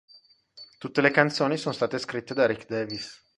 Tutte le canzoni sono state scritte da Rick Davies